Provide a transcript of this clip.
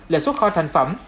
lệ xuất khoi thành phẩm